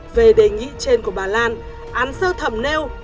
về đề nghị trên của bà lan án sơ thẩm nêu